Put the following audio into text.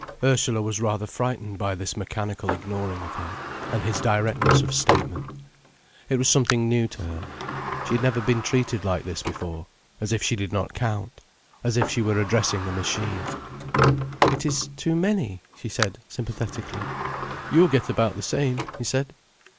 Ursula was rather frightened by his mechanical ignoring of her, and his directness of statement. It was something new to her. She had never been treated like this before, as if she did not count, as if she were addressing a machine. "It is too many," she said sympathetically. "You'll get about the same," he said.